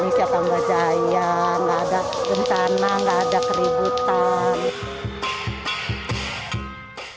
indonesia akan berjaya gak ada bencana gak ada keributan